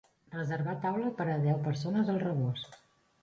Reservar taula per a deu persones al Rebost.